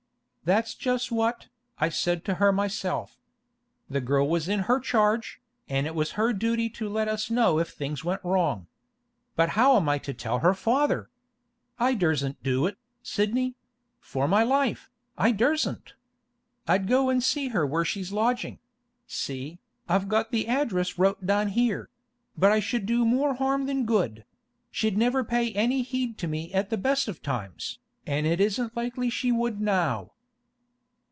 'That's just what I said to her myself. The girl was in her charge, an' it was her duty to let us know if things went wrong. But how am I to tell her father? I dursn't do it, Sidney; for my life, I dursn't! I'd go an' see her where she's lodging—see, I've got the address wrote down here—but I should do more harm than good; she'd never pay any heed to me at the best of times, an' it isn't likely she would now.